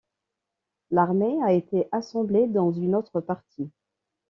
L'armée a été assemblée dans une autre partie.